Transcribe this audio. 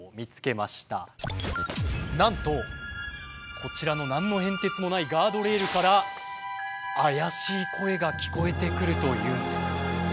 なんとこちらの何の変哲もないガードレールから怪しい声が聞こえてくるというんです。